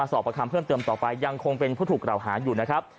สอบประคำเพิ่มเติมต่อไปยังคงเป็นผู้ถูกกล่าวหาอยู่นะครับ